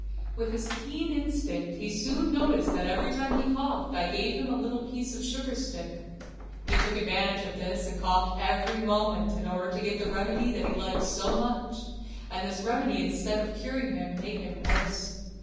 With his keen instinct, he soon noticed that every time he coughed I gave him a little piece of sugar stick. He took advantage of this and coughed every moment in order to get the remedy that he liked so much, and this remedy instead of curing him made him worse.